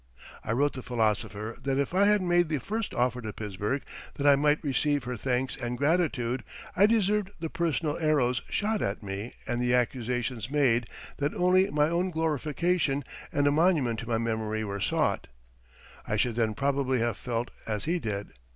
I wrote the philosopher that if I had made the first offer to Pittsburgh that I might receive her thanks and gratitude, I deserved the personal arrows shot at me and the accusations made that only my own glorification and a monument to my memory were sought. I should then probably have felt as he did.